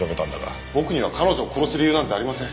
僕には彼女を殺す理由なんてありません。